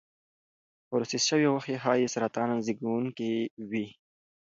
پروسس شوې غوښې ښایي سرطان زېږونکي وي.